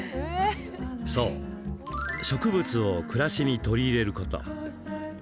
そう、植物を暮らしに取り入れること。